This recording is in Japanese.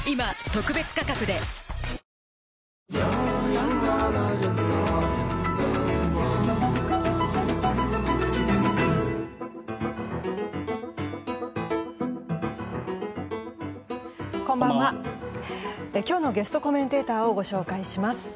今日のゲストコメンテーターをご紹介します。